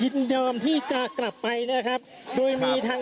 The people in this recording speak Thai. คุณภูริพัฒน์บุญนิน